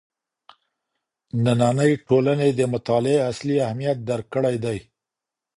نننۍ ټولني د مطالعې اصلي اهميت درک کړی دی.